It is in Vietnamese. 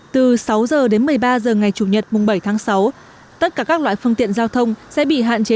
từ sáu giờ đến một mươi ba giờ ngày chủ nhật bảy tháng sáu tất cả các loại phương tiện giao thông sẽ bị hạn chế